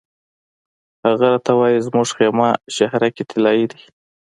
هغه راته وایي زموږ خیمه شهرک طلایي دی.